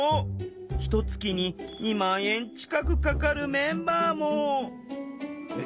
ひとつきに２万円近くかかるメンバーもえ！